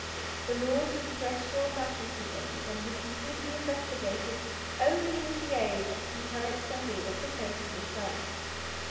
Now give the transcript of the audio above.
The laws of terrestrial magnetism can be completely investigated only with the aid of a concurrent study of the face of the sun.